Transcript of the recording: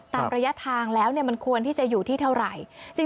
ระยะทางแล้วมันควรที่จะอยู่ที่เท่าไหร่